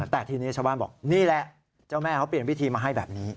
แต่ทีนี้ชาวบ้านบอกนี่แหละเจ้าแม่เขาเปลี่ยนพิธีมาให้แบบนี้